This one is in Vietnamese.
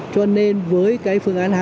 cho nên với cái phương án hai